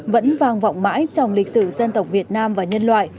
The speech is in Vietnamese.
vẫn vang vọng mãi trong lịch sử dân tộc việt nam và nhân loại